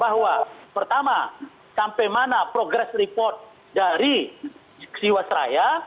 bahwa pertama sampai mana progress report dari jiwasraya